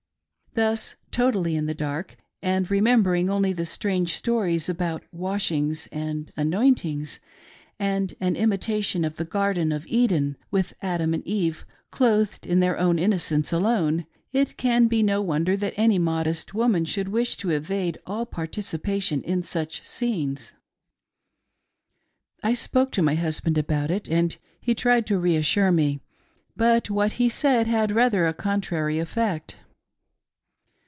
Thus, totally in the dark, and remembering only the strange stories told about " wash ings " and " anointings " and an imitation of the Garden of Eden, with Adam and Eve clothed in their own innocence alone, it can be no wonder that any modest woman should wish to evade all participation in such scenes. I spoke to my husband about it, and he tried to reassure me, but what he said had rather a contrary effect.